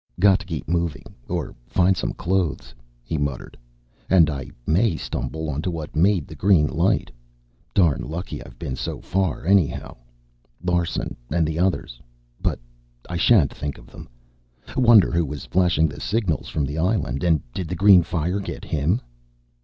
"Got to keep moving, or find some clothes," he muttered. "And I may stumble onto what made the green light. Darn lucky I've been so far, anyhow. Larsen and the others but I shan't think of them. Wonder who was flashing the signals from the island. And did the green fire get him?"